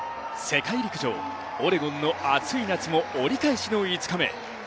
世界陸上オレゴンの熱い夏も折り返しの５日目。